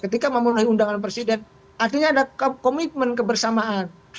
ketika memenuhi undangan presiden artinya ada komitmen kebersamaan